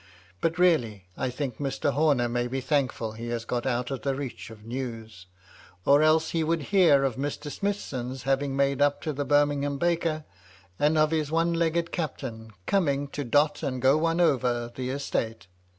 But, really, I think Mr. Homer may be thankful he has got out of the reach of news; or else he would hear of Mr. Smithson's having made up to the Birmingham baker, and of this one legged Captain, coming to dot and go one over the estate.